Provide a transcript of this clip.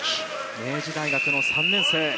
明治大学の３年生。